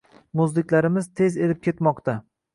Muzliklarimiz tez erib ketmoqda